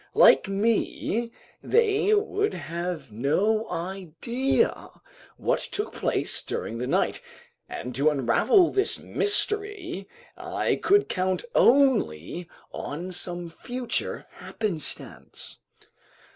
Like me, they would have no idea what took place during the night, and to unravel this mystery I could count only on some future happenstance.